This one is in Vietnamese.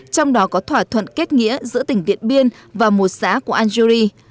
trong đó có thỏa thuận kết nghĩa giữa tỉnh điện biên và một xã của algeri